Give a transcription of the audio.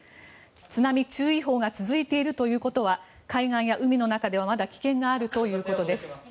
津波注意報が続いているということは海岸や海の中ではまだ危険があるということです。